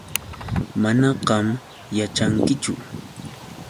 Manam qam yaćhankichu.